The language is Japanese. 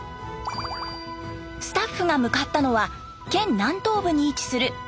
スタッフが向かったのは県南東部に位置する三原市。